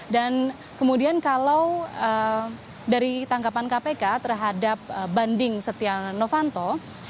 dan kemudian kalau dari tangkapan kpk terhadap banding setia novanto